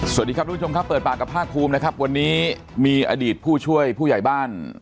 สวัสดีครับทุกผู้ชมครับเปิดปากกับภาคภูมินะครับวันนี้มีอดีตผู้ช่วยผู้ใหญ่บ้าน